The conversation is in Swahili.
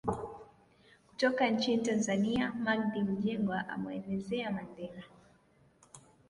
Kutoka nchini Tanzania Maggid Mjengwa anamuelezea Mandela